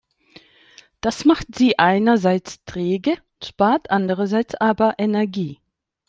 Das macht sie einerseits träge, spart andererseits aber Energie.